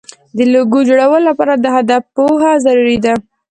د لوګو جوړولو لپاره د هدف پوهه ضروري ده.